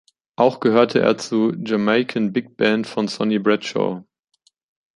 Auch gehörte er zur "Jamaican Big Band" von Sonny Bradshaw.